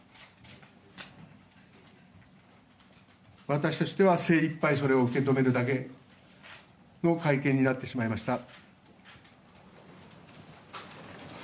私としては、精いっぱいそれを受け止めるだけの会見になってしまいました。